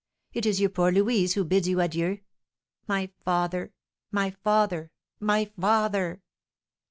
It is your poor Louise who bids you adieu. My father! my father! my father!"